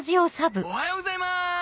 おはようございます！